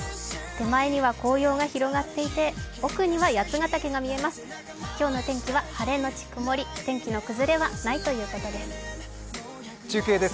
手前には紅葉が広がっていて、奥には八ヶ岳が見えます。